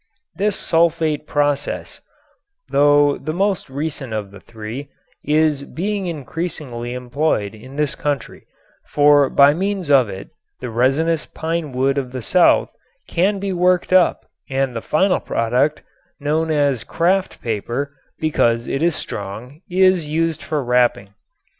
This sulfate process, though the most recent of the three, is being increasingly employed in this country, for by means of it the resinous pine wood of the South can be worked up and the final product, known as kraft paper because it is strong, is used for wrapping.